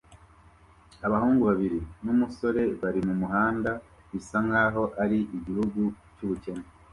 Abahungu babiri n'umusore bari mumuhanda bisa nkaho ari igihugu cyubukene